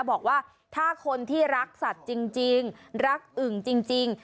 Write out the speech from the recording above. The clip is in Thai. บอกว่าถ้าคนที่รักสัตว์จริงรักอึ่งจริง